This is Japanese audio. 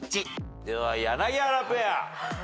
では柳原ペア。